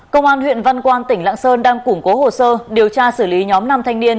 công an huyện văn quan tỉnh lạng sơn đang củng cố hồ sơ điều tra xử lý nhóm năm thanh niên